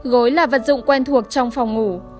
gối là vật dụng quen thuộc trong phòng ngủ